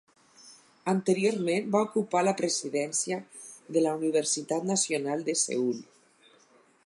Anteriorment va ocupar la presidència de la Universitat Nacional de Seül.